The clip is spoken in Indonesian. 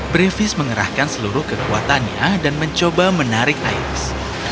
brevis mengerahkan seluruh kekuatannya dan mencoba menarik iris